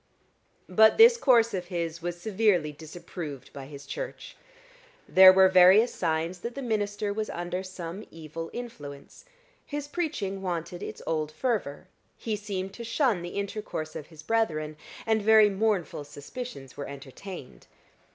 But this course of his was severely disapproved by his church. There were various signs that the minister was under some evil influence: his preaching wanted its old fervor, he seemed to shun the intercourse of his brethren, and very mournful suspicions were entertained.